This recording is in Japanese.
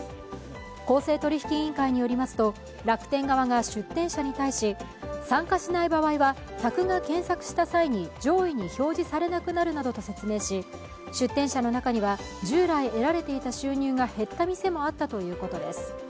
公正取引委員会によりますと、楽天側が出店者に対し、参加しない場合は客が検索した際に上位に表示されなくなるなどと説明し、出店者の中には従来得られていた収入が減った店もあったということです。